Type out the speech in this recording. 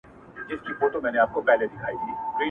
ټوله ژوند په نعمتونو کي روزلي -